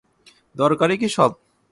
দরকারই কি সব।